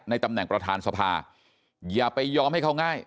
ตำแหน่งประธานสภาอย่าไปยอมให้เขาง่าย